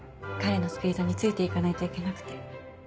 彼のスピードについて行かないといけなくて。